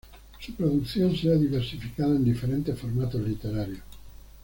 Su producción se ha diversificado en diferentes formatos literarios.